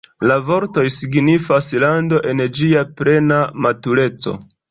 La vortoj signifas "lando en ĝia plena matureco".